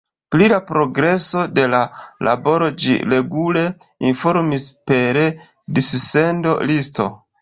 Pri la progreso de la laboro ĝi regule informis per dissendo-listo.